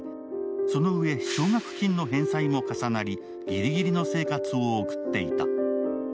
そのうえ奨学金の返済も重なり、ぎりぎりの生活を送っていた。